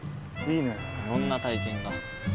いろんな体験が。